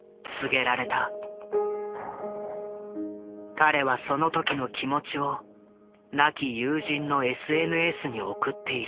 彼はその時の気持ちを亡き友人のＳＮＳに送っている。